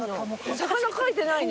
魚書いてないね。